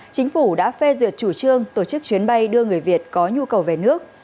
chính phủ đã phê duyệt chủ trương tổ chức chuyến bay đưa người việt có nhu cầu về nước